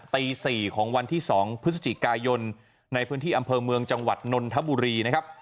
ตี๔ของวันที่๒พฤศจิกายนในพื้นที่อำเภอเมืองจังหวัดนนทบุรีนะครับ